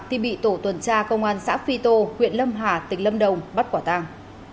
thì bị tổ tuần tra công an xã phi tô huyện lâm hà tỉnh lâm đồng bắt quả tàng